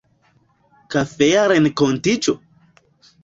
Kafeja renkontiĝo?